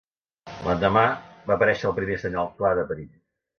L'endemà, va aparèixer el primer senyal clar de perill.